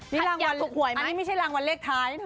นี่รางวันอันนี้ไม่ใช่รางวันเลขท้ายนะ